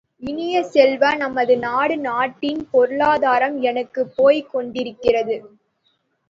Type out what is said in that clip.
இனிய செல்வ, நமது நாடு நாட்டின் பொருளாதாரம் எங்குப் போய்க் கொண்டிருக்கிறது?